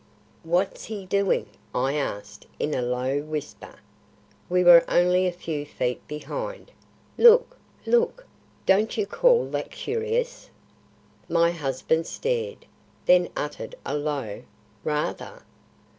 "What's he doing?" I asked, in a low whisper. We were only a few feet behind. "Look! look! don't you call that curious?" My husband stared, then uttered a low, "Rather."